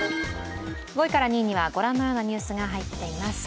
５位から２位にはご覧のようなニュースが入っています。